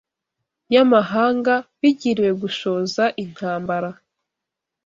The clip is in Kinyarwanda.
y’amahanga bigiriwe gushoza intambara,